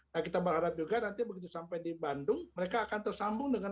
nah kita berharap juga nanti begitu sampai di bandung mereka akan tersambung dengan